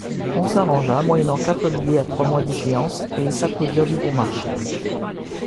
On s'arrangea, moyennant quatre billets à trois mois d'échéance, et ils s'applaudirent du bon marché.